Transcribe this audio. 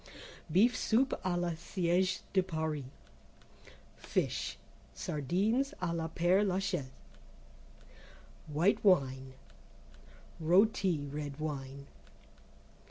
Beef Soup à la Siège de Paris. Fish. Sardines à la père Lachaise. (White Wine). Rôti (Red Wine).